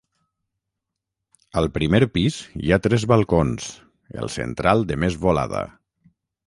Al primer pis hi ha tres balcons, el central de més volada.